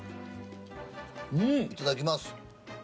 いただきます！